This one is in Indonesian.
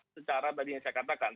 secara tadi yang saya katakan